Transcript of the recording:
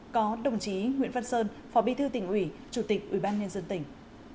có đồng chí nguyễn văn sơn phó bí thư tỉnh ủy chủ tịch ủy ban nhân dân tỉnh